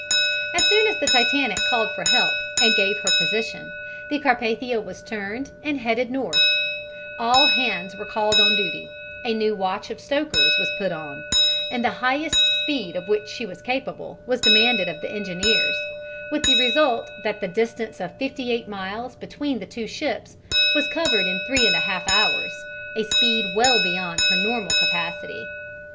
As soon as the Titanic called for help and gave her position, the Carpathia was turned and headed north: all hands were called on duty, a new watch of stokers was put on, and the highest speed of which she was capable was demanded of the engineers, with the result that the distance of fifty eight miles between the two ships was covered in three and a half hours, a speed well beyond her normal capacity.